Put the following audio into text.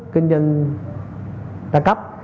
kinh doanh đa cấp